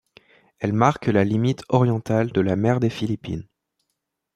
Elles marquent la limite orientale de la mer des Philippines.